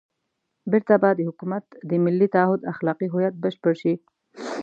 بېرته به د حکومت د ملي تعهُد اخلاقي هویت بشپړ شي.